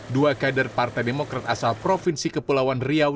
dua kader partai demokrat asal provinsi kepulauan riau